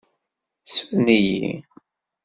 Suden-iyi.